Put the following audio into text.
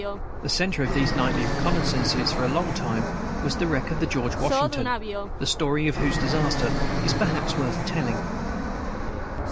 The centre of these nightly reconnoissances, for a long time, was the wreck of the George Washington, the story of whose disaster is perhaps worth telling.